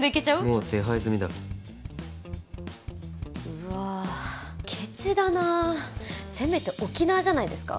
もう手配済みだうわケチだなせめて沖縄じゃないですか？